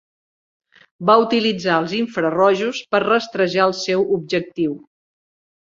Va utilitzar els infrarojos per rastrejar el seu objectiu.